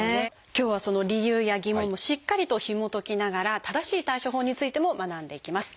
今日はその理由や疑問もしっかりとひもときながら正しい対処法についても学んでいきます。